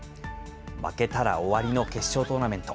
負けたら終わりの決勝トーナメント。